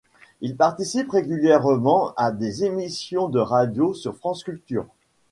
Il participe régulièrement à des émissions de radio sur France Culture.